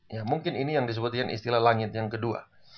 ya mungkin ini yang disebutkan istilah langit yang kedua